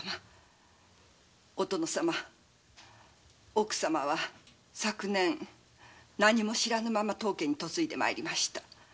お殿様奥様は何も知らぬまま当家に嫁いで参りました。